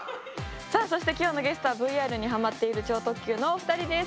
さあそして今日のゲストはＶＲにハマっている超特急のお二人です。